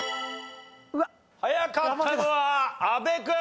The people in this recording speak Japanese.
早かったのは阿部君。